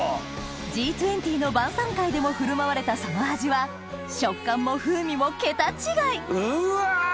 Ｇ２０の晩餐会でも振る舞われたその味は食感も風味も桁違いうわ！